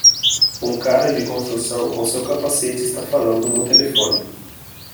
Um cara de construção com seu capacete está falando no telefone.